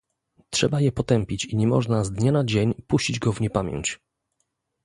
Trzeba je potępić i nie można z dnia na dzień puścić go w niepamięć